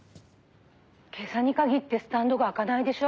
「今朝に限ってスタンドが開かないでしょ？」